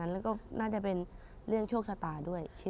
แล้วก็น่าจะเป็นเรื่องโชคชะตาด้วย